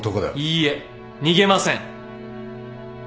いいえ逃げません。